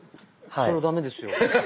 それは駄目ですよ。